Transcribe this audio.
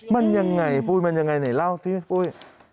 มันยังไงปุ้ยมันยังไงไหนเล่าสิปุ้ย